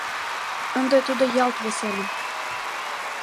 Ынде тудо ялт весемын…